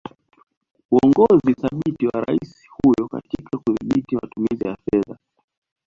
Uongozi thabiti wa Rais huyo katika kudhibiti matumizi ya fedha